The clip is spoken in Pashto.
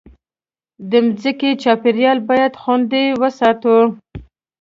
د مځکې چاپېریال باید خوندي وساتو.